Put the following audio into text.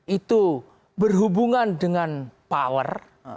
itu berhubungan dengan power